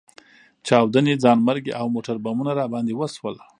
چاودنې، ځانمرګي او موټربمونه راباندې وشول.